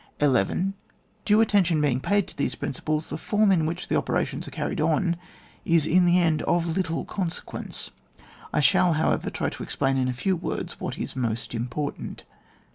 1 1 . Due attention being paid to these principles, the form in which the opera tions are carried on, is in the end of little consequence. I shall, however, tiy to explain, in a few words, what is most important.